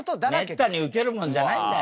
めったにウケるもんじゃないんだよ。